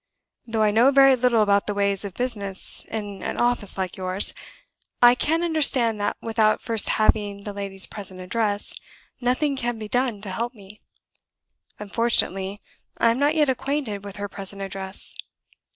"Though I know very little about the ways of business in an office like yours, I can understand that, without first having the lady's present address, nothing can be done to help me. Unfortunately, I am not yet acquainted with her present address.